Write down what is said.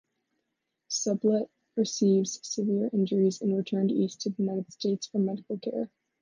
Sublette receives severe injuries and returned east to the United States for medical care.